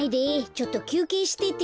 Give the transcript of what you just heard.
ちょっときゅうけいしててよ。